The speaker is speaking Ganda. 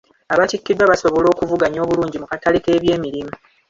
Abattikiddwa basobola okuvuganya obulungi mu katale ky'ebyemirimu.